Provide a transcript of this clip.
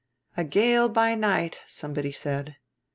"A gale by night," somebody said.